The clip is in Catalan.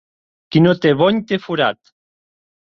Qui no té bony, té forat.